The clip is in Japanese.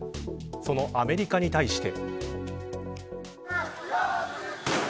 そのアメリカに対して。